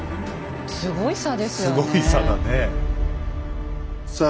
すごい差ですよね。